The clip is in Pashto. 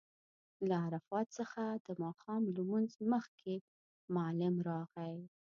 له عرفات څخه د ماښام لمونځ مخکې معلم راغی.